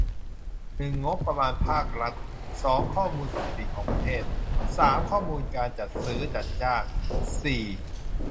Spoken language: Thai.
หนึ่ง งบประมาณภาครัฐ สอง ข้อมูลสถิติของประเทศ สาม ข้อมูลการจัดซื้อ จัดจ้าง สี่